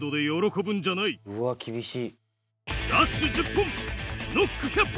うわ厳しい。